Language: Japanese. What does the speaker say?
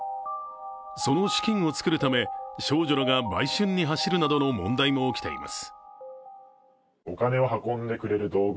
その資金を作るため、少女らが売春に走るなどの問題も起きています。